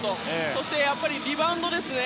そしてリバウンドですね。